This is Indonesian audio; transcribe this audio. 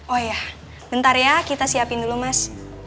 oh iya bentar ya kita siapin dulu mas